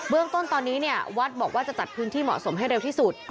เรื่องต้นตอนนี้เนี่ยวัดบอกว่าจะจัดพื้นที่เหมาะสมให้เร็วที่สุด